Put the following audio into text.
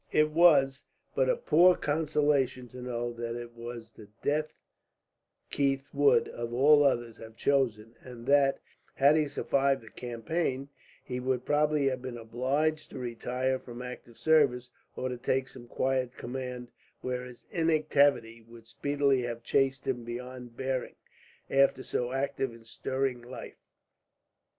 It was but a poor consolation to know that it was the death Keith would, of all others, have chosen; and that, had he survived the campaign, he would probably have been obliged to retire from active service; or to take some quiet command, where his inactivity would speedily have chafed him beyond bearing, after so active and stirring a life.